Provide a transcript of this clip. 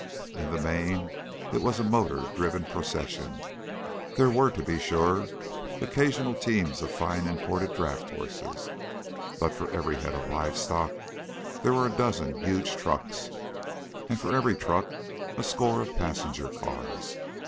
In the main, it was a motor driven procession. There were, to be sure, occasional teams of fine imported draft horses, but for every head of live stock there were a dozen huge trucks, and for every truck a score of passenger cars.